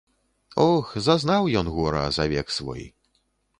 Ох, зазнаў ён гора за век свой.